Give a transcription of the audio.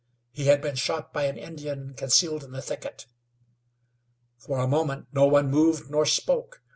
He had been shot by an Indian concealed in the thicket. For a moment no one moved, nor spoke.